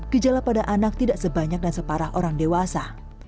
gejala pada anak tidak sebanyak dan separah orang dewasa